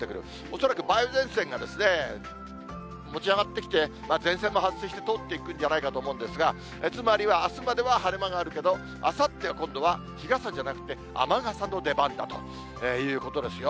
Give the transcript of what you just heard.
恐らく梅雨前線が持ち上がってきて、前線も発生して通っていくんじゃないかと思うんですが、つまりは、あすまでは晴れ間があるけれども、あさっては今度は日傘じゃなくて雨傘の出番だということですよ。